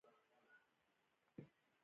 ګرام مثبت عدد د وزن واحد دی.